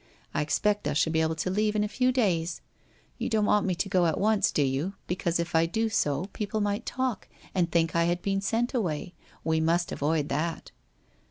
I expect I shall be able to leave in a few days ! You don't want me to go at once, do you, because, if I do so, people might talk and think I had been sent away. We must avoid that.'